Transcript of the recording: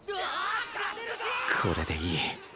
これでいい。